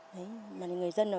đấy mà người dân nó